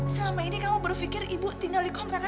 selama ini kamu berfikir ibu tinggal dikontrakan kamu